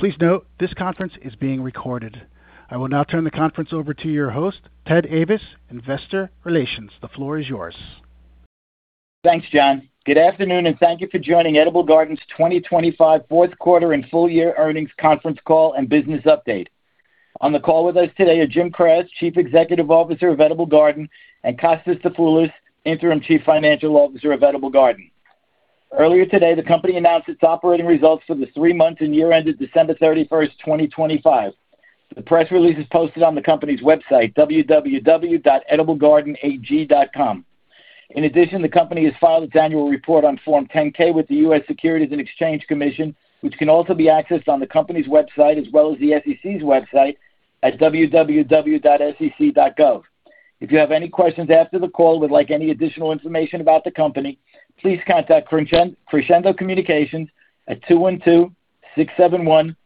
Please note, this conference is being recorded. I will now turn the conference over to your host, Ted Ayvas, Investor Relations. The floor is yours. Thanks, John. Good afternoon, and thank you for joining Edible Garden's 2025 fourth quarter and full year earnings conference call and business update. On the call with us today are Jim Kras, Chief Executive Officer of Edible Garden, and Kostas Dafoulas, Interim Chief Financial Officer of Edible Garden. Earlier today, the company announced its operating results for the three months and year ended December 31st, 2025. The press release is posted on the company's website, www.ediblegardenag.com. In addition, the company has filed its annual report on Form 10-K with the U.S. Securities and Exchange Commission, which can also be accessed on the company's website as well as the SEC's website at www.sec.gov. If you have any questions after the call or would like any additional information about the company, please contact Crescendo Communications at 212-671-1020.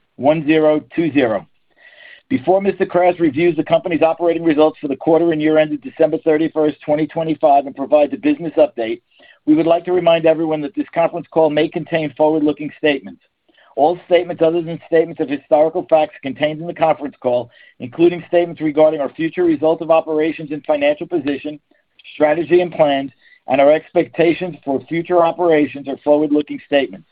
Before Mr. Kras reviews the company's operating results for the quarter and year ended December 31st, 2025 and provides a business update. We would like to remind everyone that this conference call may contain forward-looking statements. All statements other than statements of historical facts contained in the conference call, including statements regarding our future results of operations and financial position, strategy and plans, and our expectations for future operations are forward-looking statements.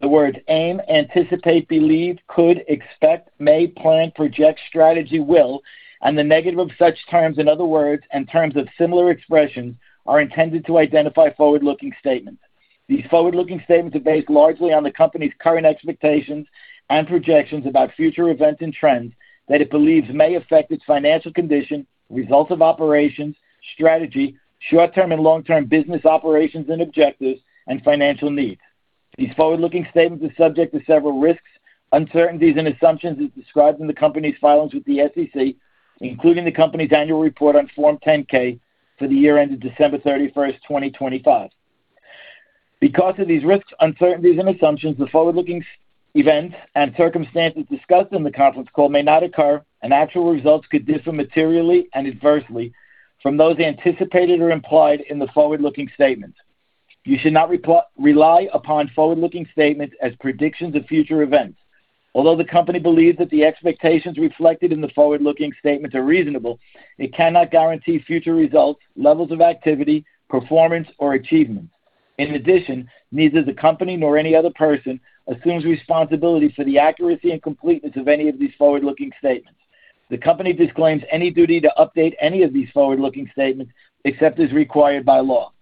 The words aim, anticipate, believe, could, expect, may, plan, project, strategy, will, and the negative of such terms and other words and terms of similar expression are intended to identify forward-looking statements. These forward-looking statements are based largely on the company's current expectations and projections about future events and trends that it believes may affect its financial condition, results of operations, strategy, short-term and long-term business operations and objectives, and financial needs. These forward-looking statements are subject to several risks, uncertainties, and assumptions as described in the company's filings with the SEC, including the company's annual report on Form 10-K for the year ended December 31st, 2025. Because of these risks, uncertainties and assumptions, the forward-looking events and circumstances discussed in the conference call may not occur, and actual results could differ materially and adversely from those anticipated or implied in the forward-looking statements. You should not rely upon forward-looking statements as predictions of future events. Although the company believes that the expectations reflected in the forward-looking statements are reasonable, it cannot guarantee future results, levels of activity, performance, or achievements. In addition, neither the company nor any other person assumes responsibility for the accuracy and completeness of any of these forward-looking statements. The company disclaims any duty to update any of these forward-looking statements except as required by law.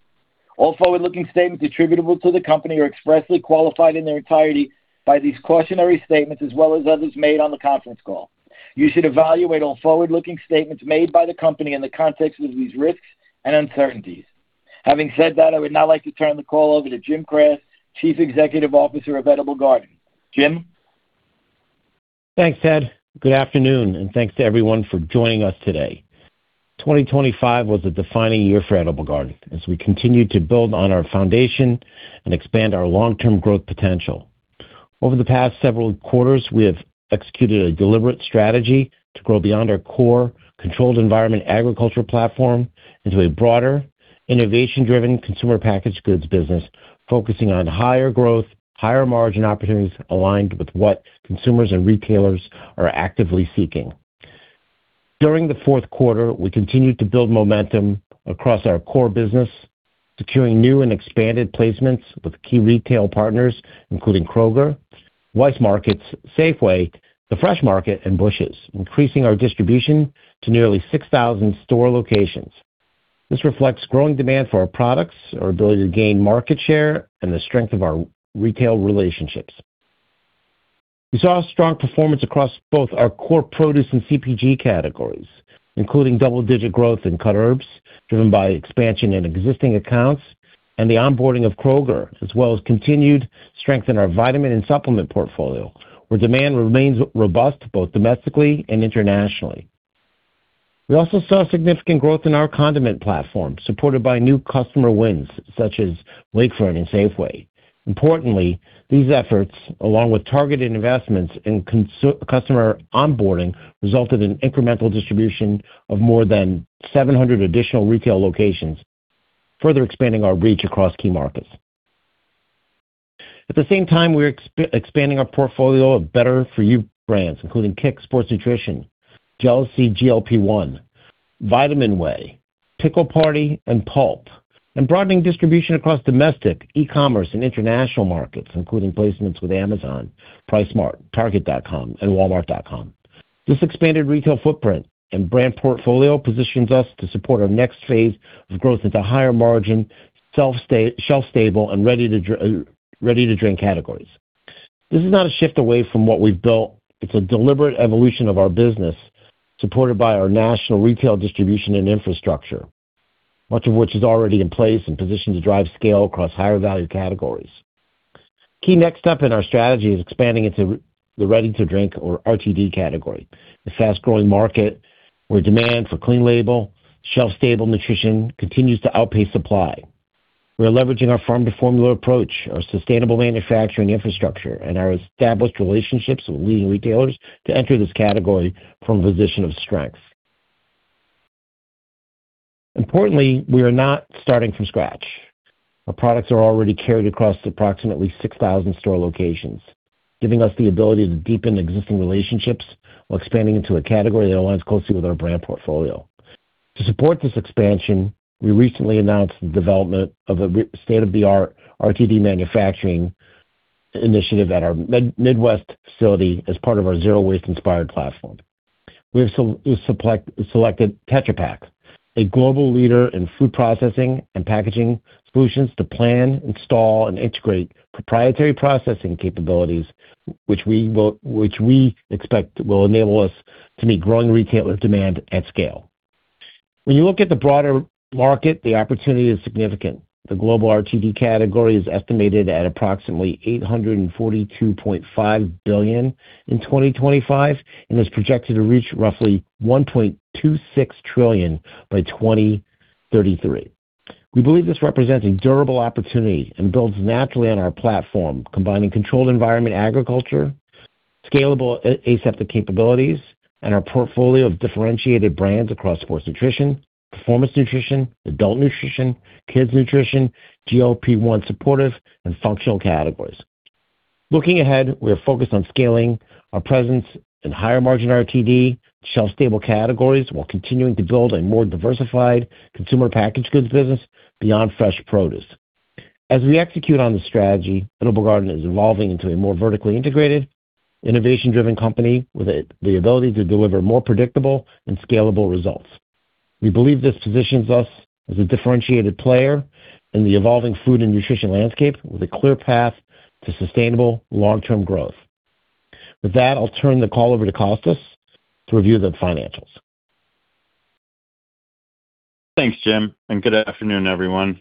All forward-looking statements attributable to the company are expressly qualified in their entirety by these cautionary statements as well as others made on the conference call. You should evaluate all forward-looking statements made by the company in the context of these risks and uncertainties. Having said that, I would now like to turn the call over to Jim Kras, Chief Executive Officer of Edible Garden. Jim? Thanks, Ted. Good afternoon, and thanks to everyone for joining us today. 2025 was a defining year for Edible Garden as we continued to build on our foundation and expand our long-term growth potential. Over the past several quarters, we have executed a deliberate strategy to grow beyond our core controlled environment agricultural platform into a broader innovation-driven consumer packaged goods business, focusing on higher growth, higher margin opportunities aligned with what consumers and retailers are actively seeking. During the fourth quarter, we continued to build momentum across our core business, securing new and expanded placements with key retail partners, including Kroger, Weis Markets, Safeway, The Fresh Market, and Busch's, increasing our distribution to nearly 6,000 store locations. This reflects growing demand for our products, our ability to gain market share, and the strength of our retail relationships. We saw a strong performance across both our core produce and CPG categories, including double-digit growth in cut herbs driven by expansion in existing accounts and the onboarding of Kroger, as well as continued strength in our vitamin and supplement portfolio, where demand remains robust both domestically and internationally. We also saw significant growth in our condiment platform, supported by new customer wins such as Wakefern and Safeway. Importantly, these efforts, along with targeted investments in customer onboarding, resulted in incremental distribution of more than 700 additional retail locations, further expanding our reach across key markets. At the same time, we're expanding our portfolio of Better-for-You brands, including KICK Sports Nutrition, Jealousy GLP-1, Vitamin Way, Pickle Party, and Pulp, and broadening distribution across domestic, e-commerce, and international markets, including placements with Amazon, PriceSmart, Target.com, and Walmart.com. This expanded retail footprint and brand portfolio positions us to support our next phase of growth into higher margin, shelf-stable, and ready to drink categories. This is not a shift away from what we've built. It's a deliberate evolution of our business, supported by our national retail distribution and infrastructure, much of which is already in place and positioned to drive scale across higher value categories. Key next step in our strategy is expanding into the ready-to-drink or RTD category, a fast-growing market where demand for clean label, shelf-stable nutrition continues to outpace supply. We are leveraging our Farm to Formula approach, our sustainable manufacturing infrastructure, and our established relationships with leading retailers to enter this category from a position of strength. Importantly, we are not starting from scratch. Our products are already carried across approximately 6,000 store locations, giving us the ability to deepen existing relationships while expanding into a category that aligns closely with our brand portfolio. To support this expansion, we recently announced the development of a state-of-the-art RTD manufacturing initiative at our Midwest facility as part of our Zero-Waste Inspired platform. We have selected Tetra Pak, a global leader in food processing and packaging solutions to plan, install, and integrate proprietary processing capabilities, which we expect will enable us to meet growing retailer demand at scale. When you look at the broader market, the opportunity is significant. The global RTD category is estimated at approximately $842.5 billion in 2025 and is projected to reach roughly $1.26 trillion by 2033. We believe this represents a durable opportunity and builds naturally on our platform, combining controlled environment agriculture, scalable aseptic capabilities, and our portfolio of differentiated brands across sports nutrition, performance nutrition, adult nutrition, kids nutrition, GLP-1 supportive and functional categories. Looking ahead, we are focused on scaling our presence in higher margin RTD shelf-stable categories while continuing to build a more diversified consumer packaged goods business beyond fresh produce. As we execute on the strategy, Edible Garden is evolving into a more vertically integrated, innovation-driven company with the ability to deliver more predictable and scalable results. We believe this positions us as a differentiated player in the evolving food and nutrition landscape with a clear path to sustainable long-term growth. With that, I'll turn the call over to Kostas to review the financials. Thanks, Jim, and good afternoon, everyone.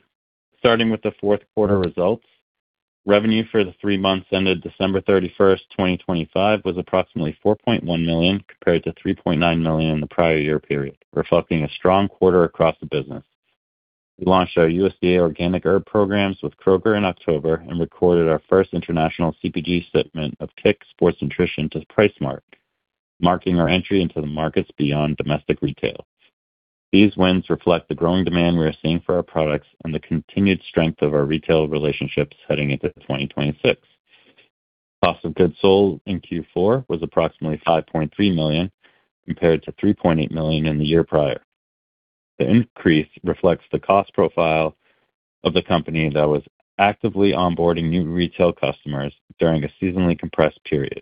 Starting with the fourth quarter results, revenue for the three months ended December 31st, 2025 was approximately $4.1 million compared to $3.9 million in the prior year period, reflecting a strong quarter across the business. We launched our USDA organic herb programs with Kroger in October and recorded our first international CPG shipment of KICK Sports Nutrition to PriceSmart, marking our entry into the markets beyond domestic retail. These wins reflect the growing demand we are seeing for our products and the continued strength of our retail relationships heading into 2026. Cost of goods sold in Q4 was approximately $5.3 million compared to $3.8 million in the year prior. The increase reflects the cost profile of the company that was actively onboarding new retail customers during a seasonally compressed period.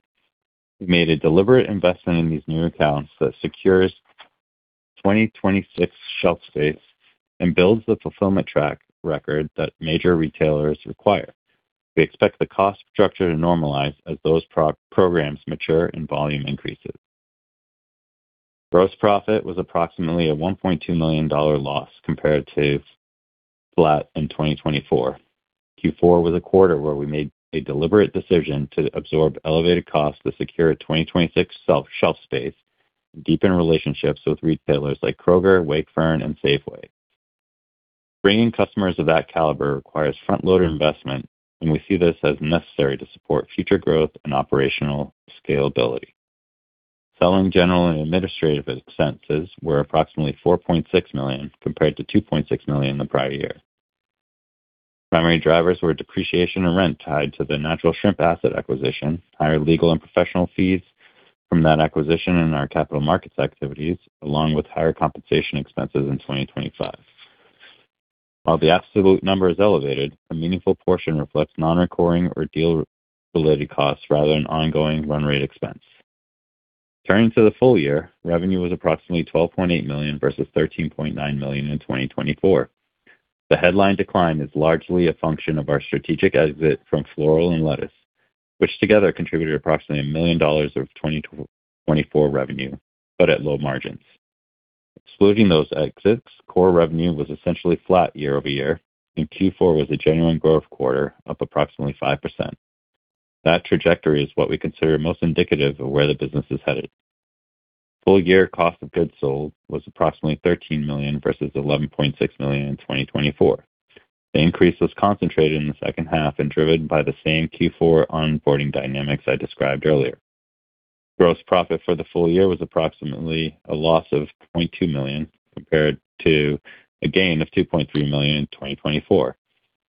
We made a deliberate investment in these new accounts that secures 2026 shelf space and builds the fulfillment track record that major retailers require. We expect the cost structure to normalize as those programs mature and volume increases. Gross profit was approximately a $1.2 million loss compared to flat in 2024. Q4 was a quarter where we made a deliberate decision to absorb elevated costs to secure a 2026 shelf space and deepen relationships with retailers like Kroger, Wakefern, and Safeway. Bringing customers of that caliber requires front-loaded investment, and we see this as necessary to support future growth and operational scalability. Selling, general, and administrative expenses were approximately $4.6 million compared to $2.6 million in the prior year. Primary drivers were depreciation and rent tied to the NaturalShrimp asset acquisition, higher legal and professional fees from that acquisition and our capital markets activities, along with higher compensation expenses in 2025. While the absolute number is elevated, a meaningful portion reflects non-recurring or deal related costs rather than ongoing run rate expense. Turning to the full year, revenue was approximately $12.8 million versus $13.9 million in 2024. The headline decline is largely a function of our strategic exit from floral and lettuce, which together contributed approximately $1 million of 2024 revenue, but at low margins. Excluding those exits, core revenue was essentially flat year-over-year, and Q4 was a genuine growth quarter, up approximately 5%. That trajectory is what we consider most indicative of where the business is headed. Full year cost of goods sold was approximately $13 million versus $11.6 million in 2024. The increase was concentrated in the second half and driven by the same Q4 onboarding dynamics I described earlier. Gross profit for the full year was approximately a loss of $0.2 million compared to a gain of $2.3 million in 2024.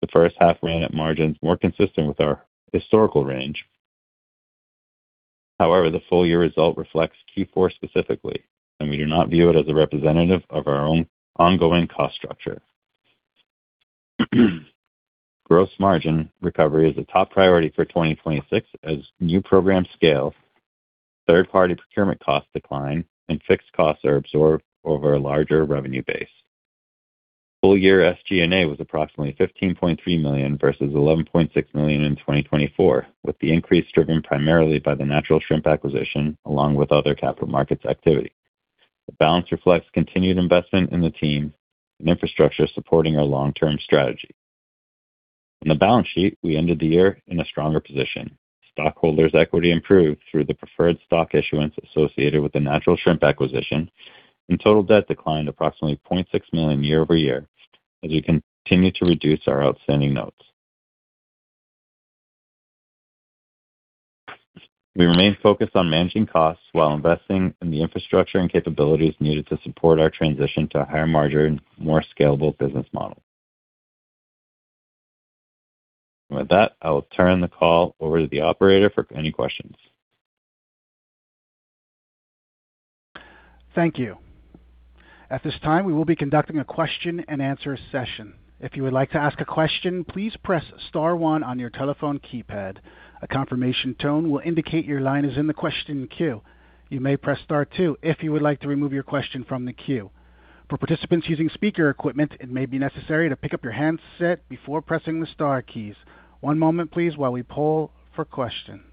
The first half ran at margins more consistent with our historical range. However, the full year result reflects Q4 specifically, and we do not view it as a representative of our own ongoing cost structure. Gross margin recovery is a top priority for 2026 as new program scale, third-party procurement costs decline, and fixed costs are absorbed over a larger revenue base. Full year SG&A was approximately $15.3 million versus $11.6 million in 2024, with the increase driven primarily by the NaturalShrimp acquisition, along with other capital markets activity. The balance reflects continued investment in the team and infrastructure supporting our long-term strategy. On the balance sheet, we ended the year in a stronger position. Stockholders' equity improved through the preferred stock issuance associated with the NaturalShrimp acquisition, and total debt declined approximately $0.6 million year-over-year as we continue to reduce our outstanding notes. We remain focused on managing costs while investing in the infrastructure and capabilities needed to support our transition to a higher margin, more scalable business model. With that, I will turn the call over to the operator for any questions. Thank you. At this time, we will be conducting a question-and-answer session. If you like to ask a question please press star one, on your telephone keypad. Our conformation tone will indicate your line is in the question queue. You may press star two if you like to remove your question from the queue. For participants using speaker equipment maybe necessary to pick up your headset before pressing star keys. One moment please while we pause for questions.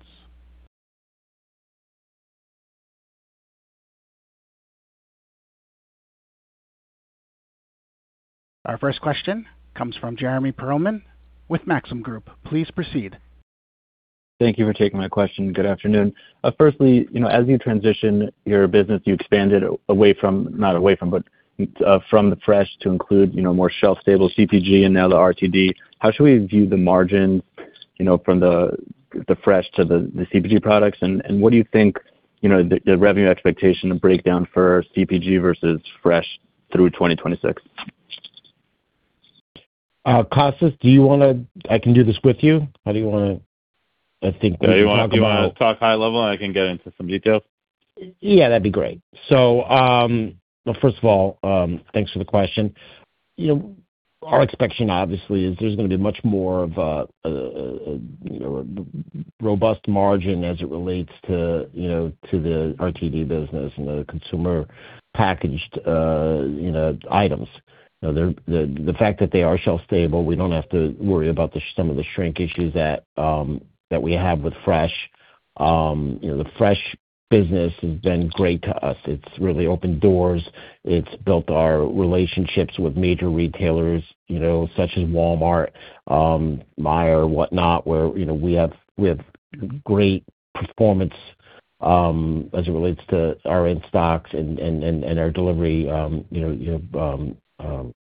Our first question comes from Jeremy Pearlman with Maxim Group. Please proceed. Thank you for taking my question. Good afternoon. Firstly, you know, as you transition your business, you expand it from the fresh to include, you know, more shelf-stable CPG and now the RTD. How should we view the margins from the fresh to the CPG products? What do you think, you know, the revenue expectation breakdown for CPG versus fresh through 2026? Kostas, I can do this with you. How do you wanna? Do you wanna talk high level and I can get into some detail? Yeah, that'd be great. First of all, thanks for the question. You know, our expectation obviously is there's gonna be much more of a you know robust margin as it relates to the RTD business and the consumer packaged, you know, items. The fact that they are shelf stable, we don't have to worry about the, some of the shrink issues that we have with fresh. The fresh business has been great to us. It's really opened doors. It's built our relationships with major retailers, you know, such as Walmart, Meijer, whatnot, where, you know, we have great performance as it relates to our in-stocks and our delivery, you know, you know,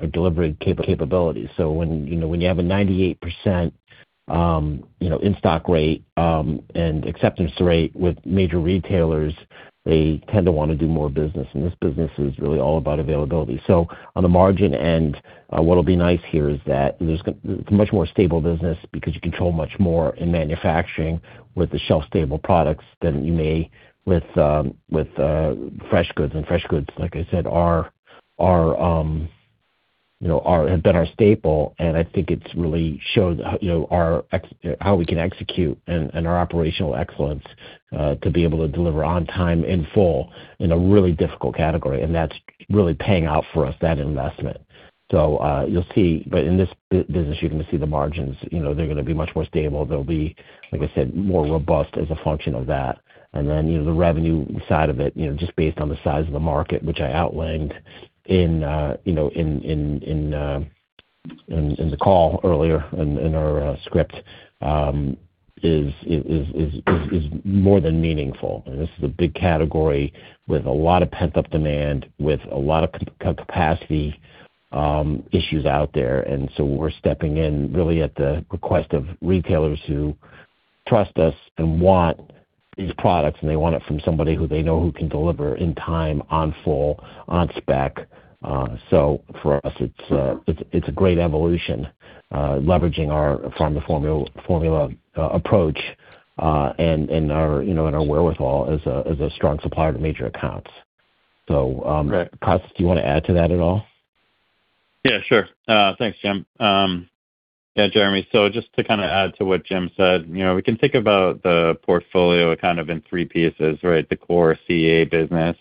our delivery capabilities. When, you know, when you have a 98% in-stock rate and acceptance rate with major retailers, they tend to wanna do more business. This business is really all about availability. On the margin end, what'll be nice here is that there's much more stable business because you control much more in manufacturing with the shelf stable products than you may with fresh goods. Fresh goods, like I said, have been our staple, and I think it's really showed how we can execute and our operational excellence to be able to deliver on time in full in a really difficult category. That's really paying off for us, that investment. You'll see. In this business, you're gonna see the margins, you know, they're gonna be much more stable. They'll be, like I said, more robust as a function of that. Then, you know, the revenue side of it, you know, just based on the size of the market, which I outlined in the call earlier in our script, is more than meaningful. This is a big category with a lot of pent-up demand, with a lot of capacity issues out there. We're stepping in really at the request of retailers who trust us and want these products, and they want it from somebody who they know who can deliver in time, on full, on spec. For us, it's a great evolution, leveraging our Farm to Formula approach, and our, you know, and our wherewithal as a strong supplier to major accounts. Kostas, do you wanna add to that at all? Yeah, sure. Thanks, Jim. Yeah, Jeremy, so just to kinda add to what Jim said, you know, we can think about the portfolio kind of in three pieces, right? The core CEA business,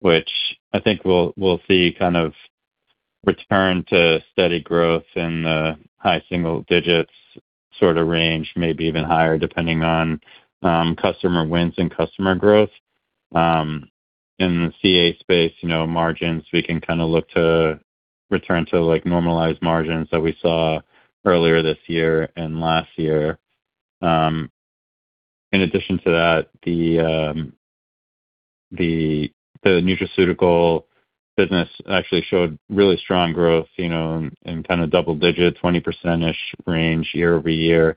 which I think we'll see kind of return to steady growth in the high-single digits sorta range, maybe even higher, depending on customer wins and customer growth. In the CEA space, you know, margins, we can kinda look to return to, like, normalized margins that we saw earlier this year and last year. In addition to that, the nutraceutical business actually showed really strong growth, you know, in kind of double-digit, 20%-ish range year-over-year.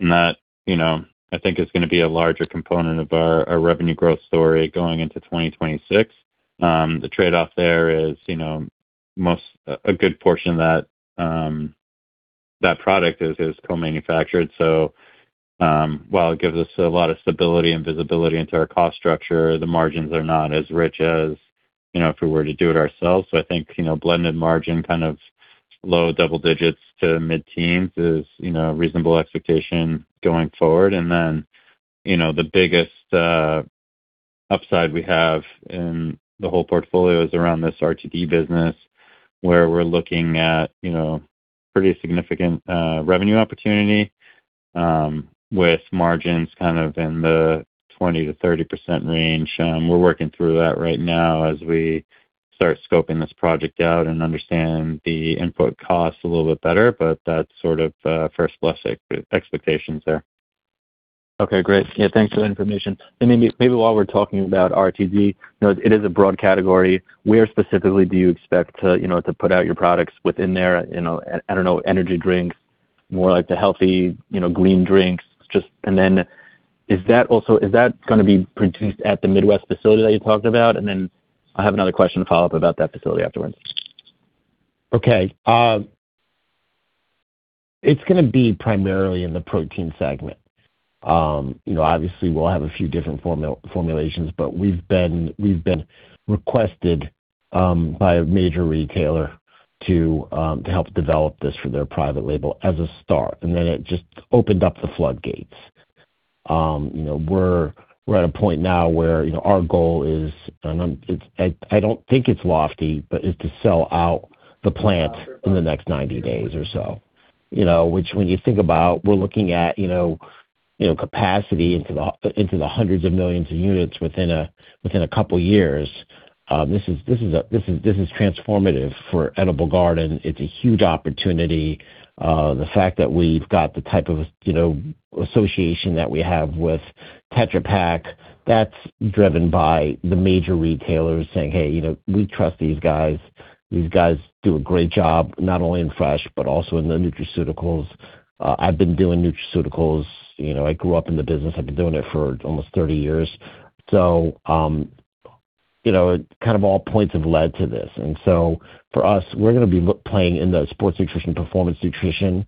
That, you know, I think is gonna be a larger component of our revenue growth story going into 2026. The trade-off there is, you know, a good portion of that product is co-manufactured. So while it gives us a lot of stability and visibility into our cost structure, the margins are not as rich as, you know, if we were to do it ourselves. So I think, you know, blended margin, kind of low double digits to mid-teens is, you know, a reasonable expectation going forward. The biggest upside we have in the whole portfolio is around this RTD business where we're looking at, you know, pretty significant revenue opportunity with margins kind of in the 20%-30% range. We're working through that right now as we start scoping this project out and understand the input costs a little bit better, but that's sort of first blush expectations there. Okay, great. Yeah, thanks for the information. Maybe while we're talking about RTD, you know, it is a broad category. Where specifically do you expect to, you know, to put out your products within there? You know, I don't know, energy drinks, more like the healthy, you know, green drinks. Is that gonna be produced at the Midwest facility that you talked about? I have another question to follow up about that facility afterwards. Okay. It's gonna be primarily in the protein segment. You know, obviously we'll have a few different formulations, but we've been requested by a major retailer to help develop this for their private label as a start. It just opened up the floodgates. You know, we're at a point now where, you know, our goal is. I don't think it's lofty but is to sell out the plant in the next 90 days or so. You know, which when you think about, we're looking at capacity into the hundreds of millions of units within a couple years. This is transformative for Edible Garden. It's a huge opportunity. The fact that we've got the type of, you know, association that we have with Tetra Pak, that's driven by the major retailers saying, "Hey, you know, we trust these guys. These guys do a great job, not only in fresh but also in the nutraceuticals." I've been doing nutraceuticals. You know, I grew up in the business. I've been doing it for almost 30 years. You know, kind of all points have led to this. For us, we're gonna be playing in the sports nutrition, performance nutrition,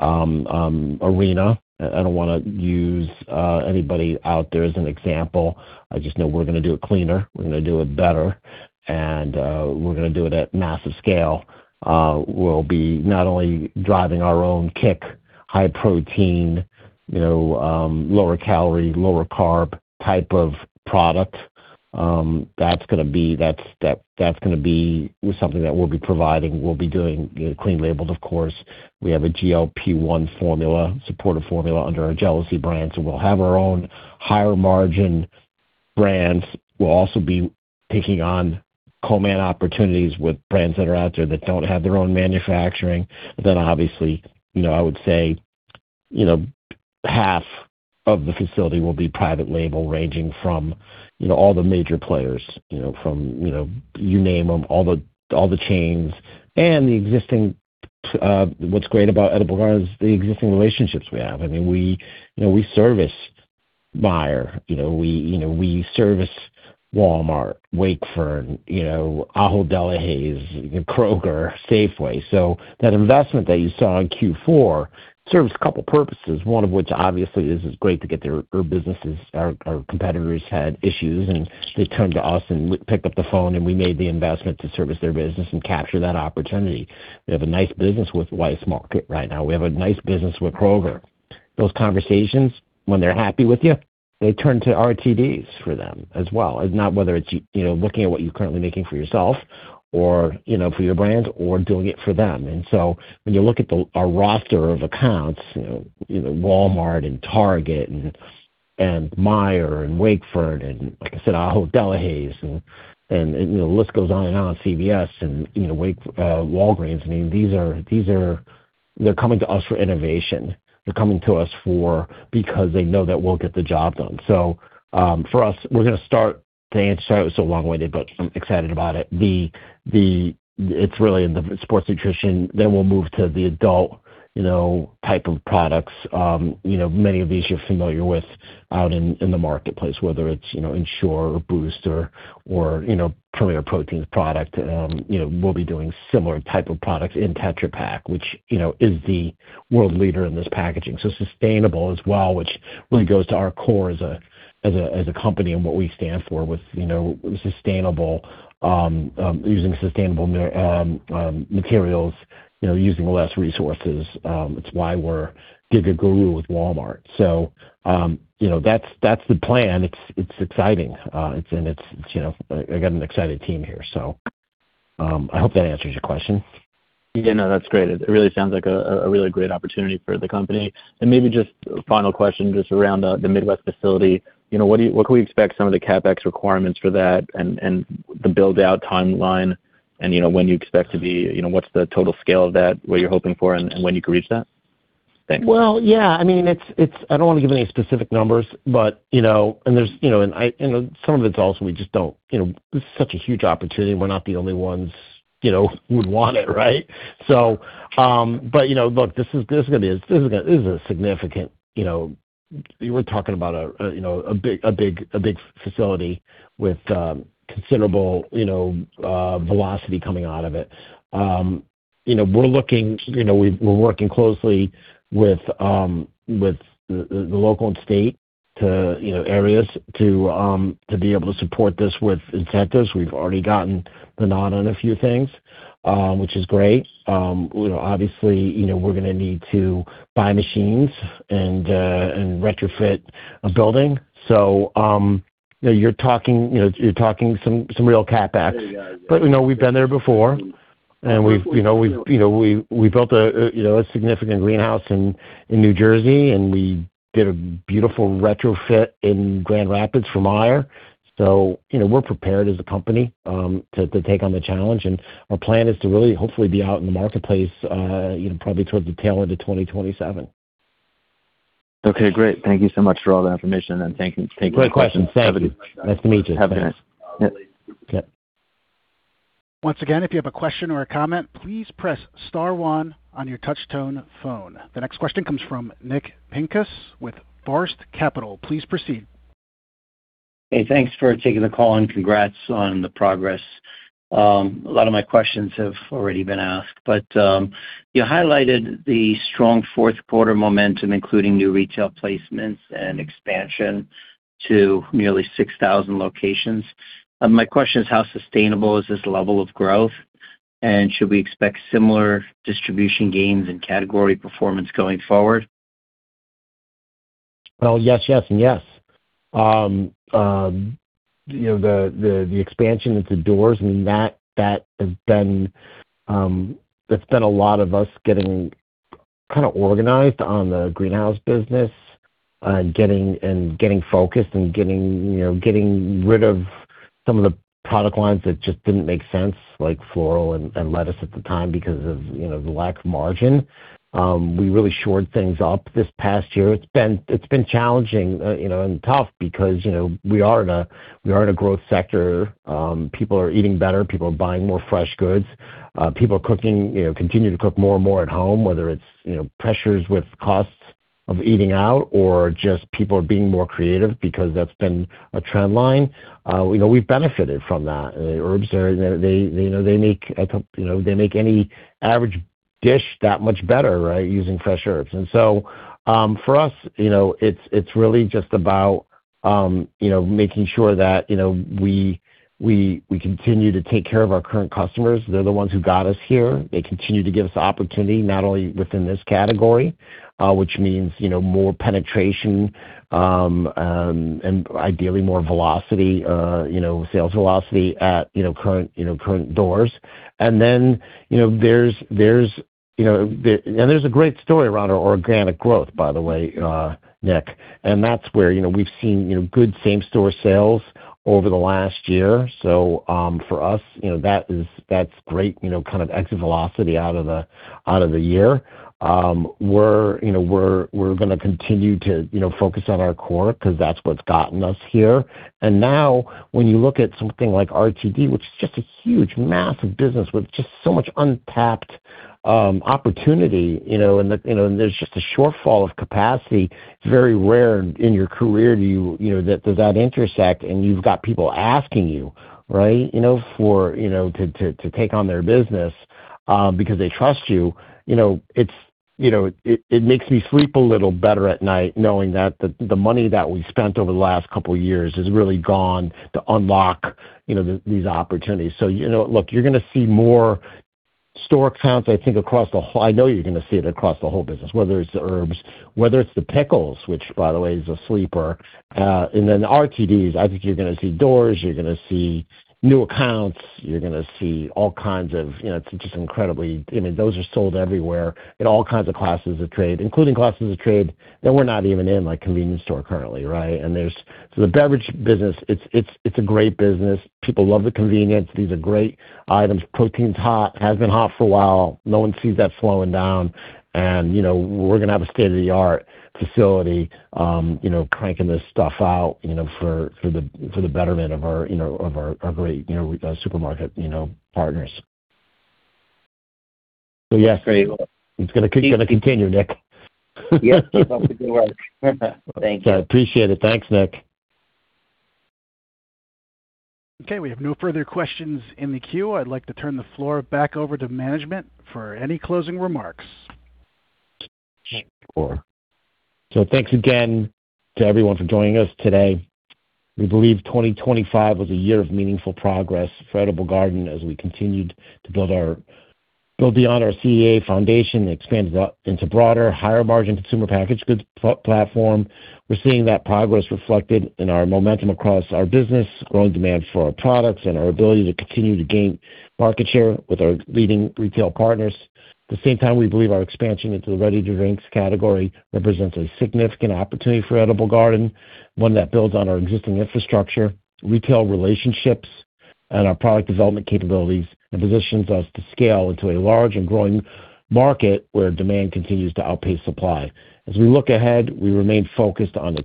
arena. I don't wanna use anybody out there as an example. I just know we're gonna do it cleaner, we're gonna do it better, and we're gonna do it at massive scale. We'll be not only driving our own KICK Sports Nutrition, high protein lower calorie, lower carb type of product, that's gonna be something that we'll be providing. We'll be doing clean labeled, of course. We have a GLP-1 formula, supportive formula under our Jealousy brand, so we'll have our own higher margin brands. We'll also be taking on co-man opportunities with brands that are out there that don't have their own manufacturing. Then obviously, you know, I would say, you know, half of the facility will be private label ranging from, you know, all the major players, you know, from, you know, you name them, all the, all the chains and the existing. What's great about Edible Garden is the existing relationships we have. I mean, we, you know, we service Meijer. We service Walmart, Wakefern, you know, Ahold Delhaize, Kroger, Safeway. That investment that you saw in Q4 serves a couple purposes, one of which obviously is it's great to get their businesses. Our competitors had issues, and they turned to us and picked up the phone, and we made the investment to service their business and capture that opportunity. We have a nice business with Weis Markets right now. We have a nice business with Kroger. Those conversations, when they're happy with you, they turn to RTDs for them as well. It's not whether it's you know, looking at what you're currently making for yourself or, you know, for your brand or doing it for them. When you look at our roster of accounts, you know, Walmart and Target.com and Meijer and Wakefern and like I said, Ahold Delhaize, and you know, the list goes on and on, CVS and you know, Walgreens. I mean, these are. They're coming to us for innovation because they know that we'll get the job done. For us, we're gonna start. The answer, sorry it was so long-winded, but I'm excited about it. It's really in the sports nutrition. Then we'll move to the adult, you know, type of products. You know, many of these you're familiar with out in the marketplace, whether it's, you know, Ensure or Boost or Premier Protein product. You know, we'll be doing similar type of products in Tetra Pak, which, you know, is the world leader in this packaging. Sustainable as well, which really goes to our core as a company and what we stand for with, you know, sustainable, using sustainable materials, you know, using less resources. It's why we're Giga-Guru with Walmart. You know, that's the plan. It's exciting. It's, you know, I got an excited team here. I hope that answers your question. Yeah, no, that's great. It really sounds like a really great opportunity for the company. Maybe just a final question just around the Midwest facility. You know, what can we expect some of the CapEx requirements for that and the build-out timeline and when you expect to be. You know, what's the total scale of that, what you're hoping for and when you can reach that? Thanks. Well, yeah, I mean, it's. I don't want to give any specific numbers, but, you know, and there's, you know, and I. Some of it's also we just don't, you know. This is such a huge opportunity, and we're not the only ones, you know, would want it, right? Look, this is gonna be significant. We're talking about a big facility with considerable velocity coming out of it. We're working closely with the local and state authorities to be able to support this with incentives. We've already gotten the nod on a few things, which is great. Obviously, you know, we're gonna need to buy machines and retrofit a building. You're talking, you know, some real CapEx. We've been there before, and we've built a significant greenhouse in New Jersey, and we did a beautiful retrofit in Grand Rapids for Meijer. We're prepared as a company to take on the challenge, and our plan is to really hopefully be out in the marketplace, you know, probably towards the tail end of 2027. Okay, great. Thank you so much for all that information and thank you. Take care. Great question. Jeremy. Nice to meet you. Have a nice night. Once again, if you have a question or a comment, please press star one on your touchtone phone. The next question comes from Nick Pincus with Forest Capital. Please proceed. Hey, thanks for taking the call, and congrats on the progress. A lot of my questions have already been asked, but you highlighted the strong fourth quarter momentum, including new retail placements and expansion to nearly 6,000 locations. My question is how sustainable is this level of growth, and should we expect similar distribution gains and category performance going forward? Well, yes and yes. You know, the expansion indoors, I mean, that has been a lot of us getting kinda organized on the greenhouse business, getting focused, getting rid of some of the product lines that just didn't make sense, like floral and lettuce at the time because of, you know, the lack of margin. We really shored things up this past year. It's been challenging, you know, and tough because, you know, we are in a growth sector. People are eating better. People are buying more fresh goods. People are cooking, you know, continue to cook more and more at home, whether it's, you know, pressures with costs of eating out or just people are being more creative because that's been a trend line. You know, we've benefited from that. The herbs are. They, you know, they make any average dish that much better, right, using fresh herbs. For us, you know, it's really just about, you know, making sure that, you know, we continue to take care of our current customers. They're the ones who got us here. They continue to give us opportunity, not only within this category, which means more penetration, and ideally more velocity, you know, sales velocity at current doors. You know, there's a great story around our organic growth, by the way, Nick. That's where, you know, we've seen, you know, good same store sales over the last year. For us, you know, that's great, kind of exit velocity out of the year. We're, you know, gonna continue to, you know, focus on our core 'cause that's what's gotten us here. Now when you look at something like RTD, which is just a huge, massive business with just so much untapped opportunity, you know, and there's just a shortfall of capacity. It's very rare in your career that they intersect and you've got people asking you, right to take on their business because they trust you. It's, you know, it makes me sleep a little better at night knowing that the money that we spent over the last couple years has really gone to unlock, you know, these opportunities. You know, look, you're gonna see more store counts I think across the whole business, I know you're gonna see it across the whole business, whether it's the herbs, whether it's the pickles, which by the way is a sleeper. Then the RTDs, I think you're gonna see doors, you're gonna see new accounts, you're gonna see all kinds of, you know, it's just incredibly. You know, those are sold everywhere in all kinds of classes of trade, including classes of trade that we're not even in, like convenience store currently, right? The beverage business, it's a great business. People love the convenience. These are great items. Protein's hot. Has been hot for a while. No one sees that slowing down. You know, we're gonna have a state-of-the-art facility, you know, cranking this stuff out, you know, for the betterment of our, you know, of our great, you know, supermarket, you know, partners. Yes. Very well. It's gonna continue, Nick. Yes. Keep up the good work. Thank you. I appreciate it. Thanks, Nick. Okay. We have no further questions in the queue. I'd like to turn the floor back over to management for any closing remarks. Sure. Thanks again to everyone for joining us today. We believe 2025 was a year of meaningful progress for Edible Garden as we continued to build beyond our CEA foundation and expanded into broader, higher margin consumer packaged goods platform. We're seeing that progress reflected in our momentum across our business, growing demand for our products, and our ability to continue to gain market share with our leading retail partners. At the same time, we believe our expansion into the ready-to-drink category represents a significant opportunity for Edible Garden, one that builds on our existing infrastructure, retail relationships, and our product development capabilities, and positions us to scale into a large and growing market where demand continues to outpace supply. As we look ahead, we remain focused on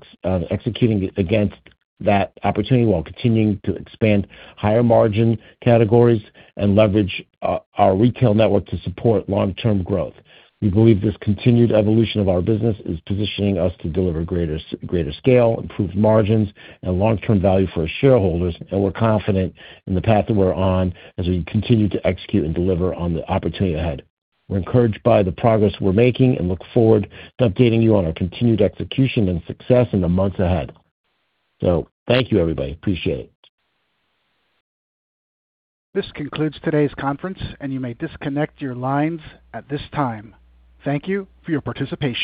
executing against that opportunity while continuing to expand higher margin categories and leverage our retail network to support long-term growth. We believe this continued evolution of our business is positioning us to deliver greater scale, improved margins, and long-term value for our shareholders, and we're confident in the path that we're on as we continue to execute and deliver on the opportunity ahead. We're encouraged by the progress we're making and look forward to updating you on our continued execution and success in the months ahead. Thank you, everybody. Appreciate it. This concludes today's conference, and you may disconnect your lines at this time. Thank you for your participation.